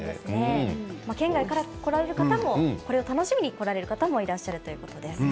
県外から来られる方もこれを楽しみに来られる方もいらっしゃるということです。